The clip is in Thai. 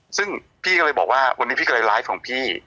ซึ่งพี่ก็เลยบอกว่าวันนี้พี่ก็เลยไลฟ์ของพี่